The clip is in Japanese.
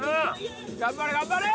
頑張れ頑張れ！